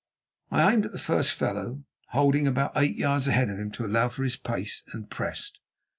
I aimed at the first fellow, holding about eight yards ahead of him to allow for his pace, and pressed.